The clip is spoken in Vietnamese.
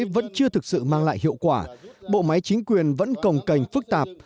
vẫn chưa thực sự mang lại hiệu quả bộ máy chính quyền vẫn còng cành phức tạp